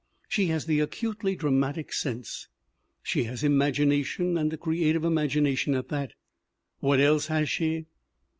She has the acutely dramatic sense, she has imagination and a creative imagination at that ; what else has she